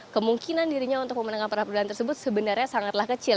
kemungkinan dirinya untuk memenangkan peradilan tersebut sebenarnya sangatlah kecil